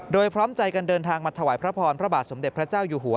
โดยพร้อมใจกันเดินทางมาถวายพระพรพระบาทสมเด็จพระเจ้าอยู่หัว